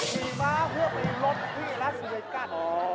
ขี่ม้าเพื่อไปลบที่รัสเวกัส